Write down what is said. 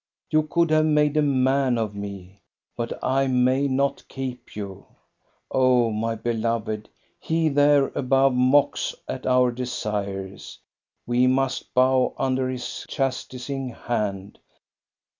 You could have made a man of me, but I may not keep you. Oh, my beloved ! He there above mocks at our desires. We must bow under His chastising hand.